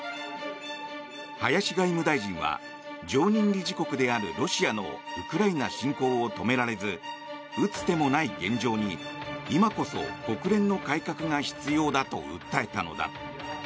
林外務大臣は常任理事国であるロシアのウクライナ侵攻を止められず打つ手もない現状に今こそ国連の改革が必要だと訴えたのだ。